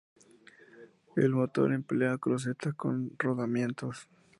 El motor emplea cruceta con rodamientos.